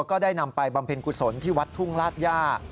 ก็ได้นำไปบำเพ็ญกุศลที่วัดทุ่งลาดย่า